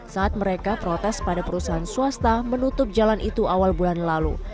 saat mereka protes pada perusahaan swasta menutup jalan itu awal bulan lalu